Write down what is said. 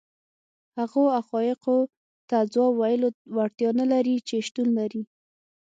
هغو حقایقو ته ځواب ویلو وړتیا نه لري چې شتون لري.